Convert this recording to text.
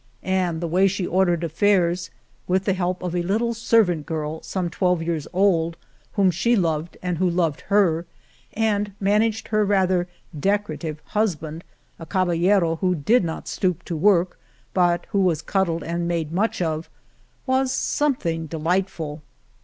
And the way she ordered affairs, with the help of a little servant girl, some twelve years old, whom she loved and who loved her, and managed her rather decorative hus band — a caballero who did not stoop to work, but who was cuddled and made much of — was something delightful.